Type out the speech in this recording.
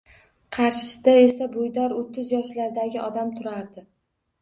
Qarshisida esa bo`ydor, o`ttiz yoshlardagi odam turardi